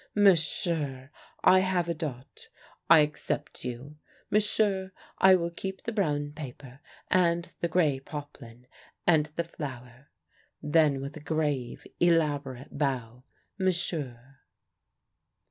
M'sieu', I have a dot; I accept you. M'sieu', I will keep the brown paper, and the grey poplin, and the flour." Then with a grave elaborate bow, " M'sieu' !